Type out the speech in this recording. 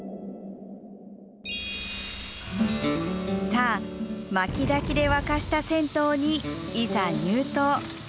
さあ、薪焚きで沸かした銭湯にいざ入湯。